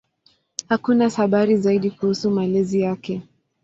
Hakuna habari zaidi kuhusu malezi yake.